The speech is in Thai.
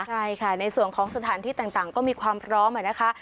ใช่ค่ะในส่วนของสถานที่ต่างก็มีความพร้อมนะคะ